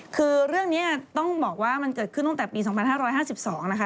คือเรื่องนี้ต้องบอกว่ามันเกิดขึ้นตั้งแต่ปี๒๕๕๒นะคะ